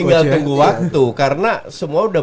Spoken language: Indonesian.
tinggal tunggu waktu karena semua udah